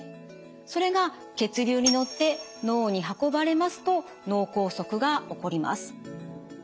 それが血流に乗って脳に運ばれますと脳梗塞が起こります。